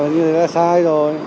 như thế là sai rồi